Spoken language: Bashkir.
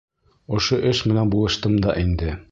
Ошо эш менән булаштым да инде.